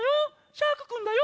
シャークくんだよ！